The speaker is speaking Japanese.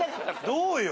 どうよ？